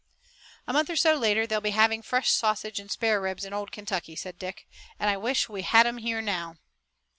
"A month or so later they'll be having fresh sausage and spare ribs in old Kentucky," said Dick, "and I wish we had 'em here now."